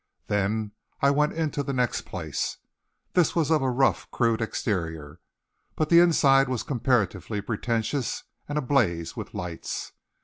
Then I went into the next place. This was of a rough crude exterior, but the inside was comparatively pretentious, and ablaze with lights.